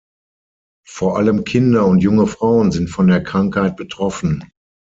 Vor allem Kinder und junge Frauen sind von der Krankheit betroffen.